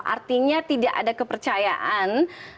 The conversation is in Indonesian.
artinya tidak ada kepercayaan